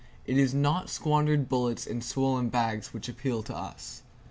It is not squandered bullets and swollen bags which appeal to us.